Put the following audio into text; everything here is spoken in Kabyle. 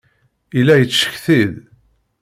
Yella yettcetki-d.